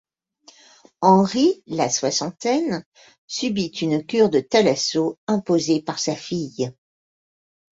Henri, la soixantaine, subit une cure de thalasso imposée par sa fille.